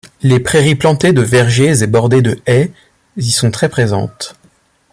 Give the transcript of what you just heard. Les prairies plantées de vergers et bordées de haies y sont très présentes.